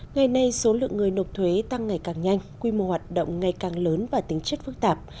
ngày nay số lượng người nộp thuế tăng ngày càng nhanh quy mô hoạt động ngày càng lớn và tính chất phức tạp